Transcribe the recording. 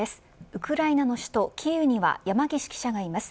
ウクライナの首都キーウには山岸記者がいます。